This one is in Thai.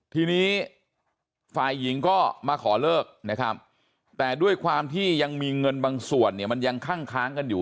ทีนี้ฝ่ายหญิงก็มาขอเลิกนะครับแต่ด้วยความที่ยังมีเงินบางส่วนเนี่ยมันยังคั่งค้างกันอยู่